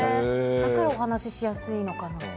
だからお話しやすいのかな。